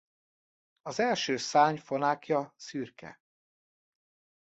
Az első szárny fonákja szürke.